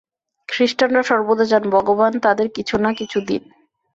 খ্রীষ্টানরা সর্বদা চান, ভগবান তাঁদের কিছু না কিছু দিন।